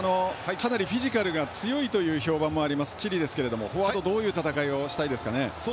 かなりフィジカルが強いという評判もあるチリですがフォワード、どういう戦いをしたいでしょうか。